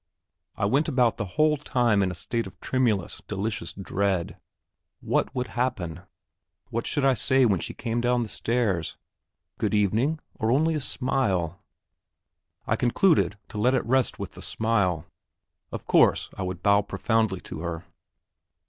I went about the whole time in a state of tremulous, delicious dread. What would happen? What should I say when she came down the stairs? Good evening? or only smile? I concluded to let it rest with the smile. Of course I would bow profoundly to her.